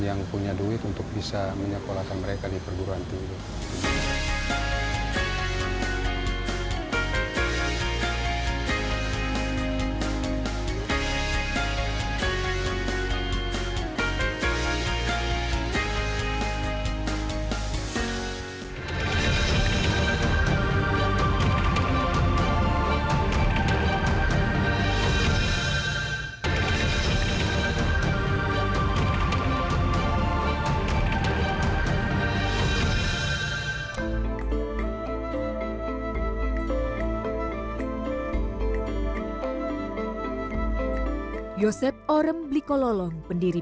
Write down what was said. yang punya duit untuk bisa menyekolahkan mereka di perguruan tinggi